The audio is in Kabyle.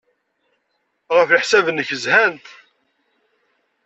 Ɣef leḥsab-nnek, zhant?